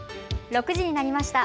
６時になりました。